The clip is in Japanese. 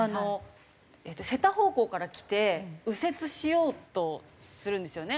瀬田方向から来て右折しようとするんですよね。